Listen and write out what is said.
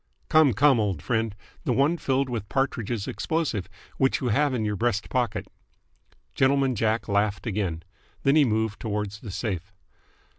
"Come, come, old friend! The one filled with Partridge's explosive, which you have in your breast pocket." Gentleman Jack laughed again. Then he moved towards the safe.